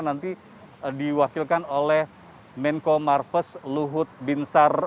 nanti diwakilkan oleh menko marves luhut binsar